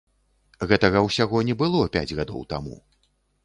Гэтага ўсяго не было пяць гадоў таму.